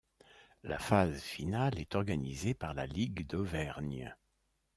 La phase finale est organisée par la ligue d'Auvergne.